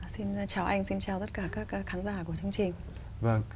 xin chào anh xin chào tất cả các khán giả của chương trình